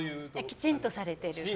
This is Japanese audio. きちんとされている。